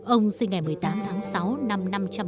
ông sinh ngày một mươi tám tháng sáu năm năm trăm bảy mươi